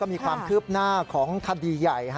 มีความคืบหน้าของคดีใหญ่